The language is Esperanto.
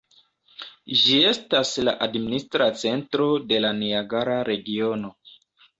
Ĝi estas la administra centro de la Niagara regiono.